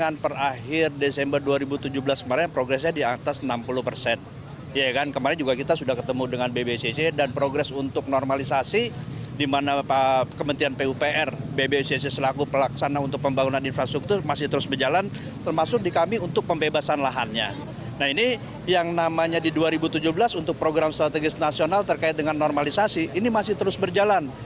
nah ini yang namanya di dua ribu tujuh belas untuk program strategis nasional terkait dengan normalisasi ini masih terus berjalan